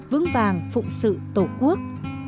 vướng vàng phụ sự tổ quốc